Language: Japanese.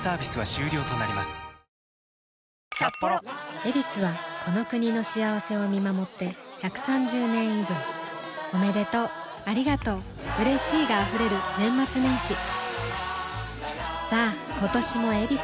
「ヱビス」はこの国の幸せを見守って１３０年以上おめでとうありがとううれしいが溢れる年末年始さあ今年も「ヱビス」で